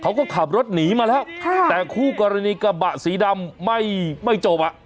เขาก็ขับรถหนีมาแล้วค่ะแต่คู่กรณีกระบะสีดำไม่ไม่จบอ่ะ